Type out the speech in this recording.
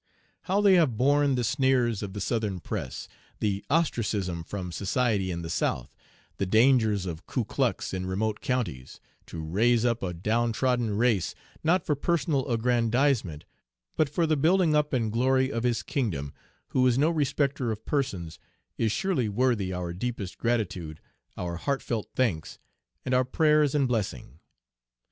How they have borne the sneers of the Southern press, the ostracism from society in the South, the dangers of Kuklux in remote counties, to raise up a downtrodden race, not for personal aggrandizement, but for the building up and glory of His kingdom who is no respecter of persons, is surely worthy our deepest gratitude, our heartfelt thanks, and our prayers and blessing.